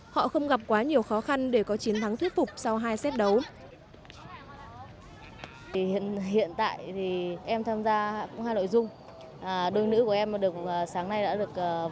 họ không gặp quá nhiều khó khăn để có chiến thắng thuyết phục sau hai xét đấu